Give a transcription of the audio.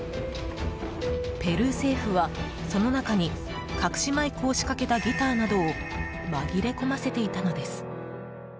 ペルー政府は、その中に隠しマイクを仕掛けたギターなどを紛れ込ませていたのです。